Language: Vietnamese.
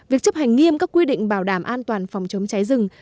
việc chấp hành nghiêm các quy định bảo đảm an toàn phòng chống cháy rừng